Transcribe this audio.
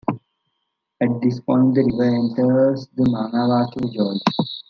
At this point the river enters the Manawatu Gorge.